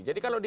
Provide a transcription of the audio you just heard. jadi kalau dia